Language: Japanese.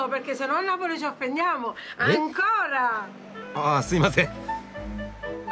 ああすいません！